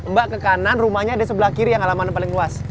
mbak ke kanan rumahnya ada di sebelah kiri yang halaman paling luas